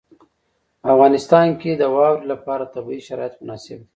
په افغانستان کې د واوره لپاره طبیعي شرایط مناسب دي.